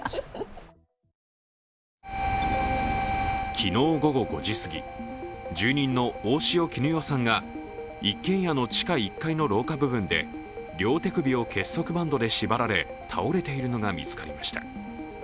昨日午後５時すぎ、住人の大塩衣与さんが一軒家の地下１階の廊下部分で両手首を結束バンドで縛られ倒れているのが見つかりました。